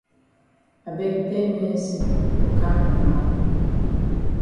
I beg tell Mercy for kam na now.